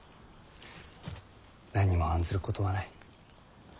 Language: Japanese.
何も案ずることはない。